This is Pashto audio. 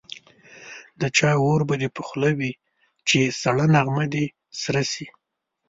د چا اور به دي په خوله وي چي سړه نغمه دي سره سي